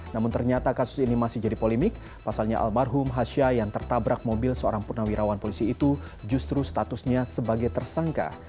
namun ternyata kasus ini masih jadi polemik pasalnya almarhum hasha yang tertabrak mobil seorang purnawirawan polisi itu justru statusnya sebagai tersangka